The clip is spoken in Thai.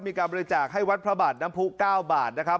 มีการบริจาคให้วัดพระบาทน้ำผู้๙บาทนะครับ